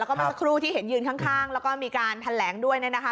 ก็มาสักครู่ที่เห็นยืนข้างแล้วก็มีการแถลงด้วยเนี่ยนะคะ